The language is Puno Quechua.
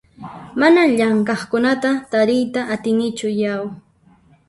Manan llamk'aqkunata tariyta atinichu yau!